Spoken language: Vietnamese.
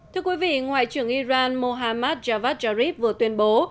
thưa quý vị ngoại trưởng iran mohammad javad jarib vừa tuyên bố